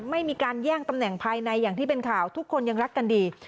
ไม่มีการแย่งตำแหน่งภายในอย่างที่เป็นข่าวทุกคนยังรักกันดี